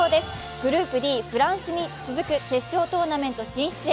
グループＤ、フランスに続く決勝トーナメント進出へ。